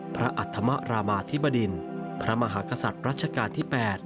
อัธมรามาธิบดินพระมหากษัตริย์รัชกาลที่๘